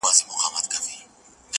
اولاد هم غم، نه اولاد هم غم.